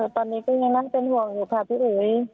ตอนนี้ก็ยังนั่งเป็นห่วงอยู่ค่ะพี่อุ๋ย